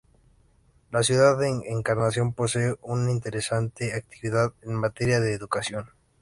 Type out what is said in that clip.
La ciudad de Encarnación posee una interesante actividad en materia de educación.